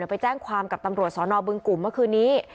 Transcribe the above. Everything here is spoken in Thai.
ไปแจ้งความกับตำรวจสนบึงกลุ่มเมื่อคืนนี้